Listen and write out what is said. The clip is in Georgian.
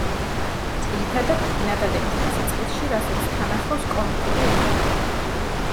ძირითადად წინადადების დასაწყისში, რასაც თან ახლავს კომიკური ეფექტი.